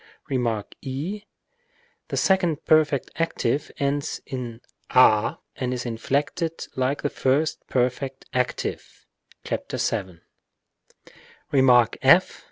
Rem. 6. The second perfect active ends in a and is inflected like the first perfect active (§ 7). Rem. f.